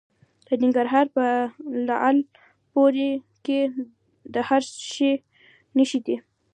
د ننګرهار په لعل پورې کې د څه شي نښې دي؟